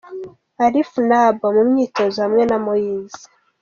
Alif Naaba mu myitozo hamwe na Moise.